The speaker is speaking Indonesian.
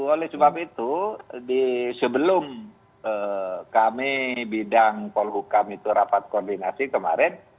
oleh sebab itu sebelum kami bidang polhukam itu rapat koordinasi kemarin